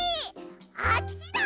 あっちだ！